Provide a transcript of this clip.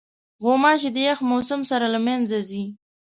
غوماشې د یخ موسم سره له منځه ځي.